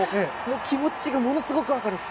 気持ちがものすごくて。